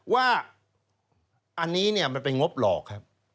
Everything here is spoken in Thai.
ว่าอันนี้เนี่ยมันเป็นงบหลอกครับ